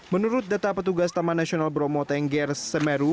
menurut data petugas taman nasional bromo tengger semeru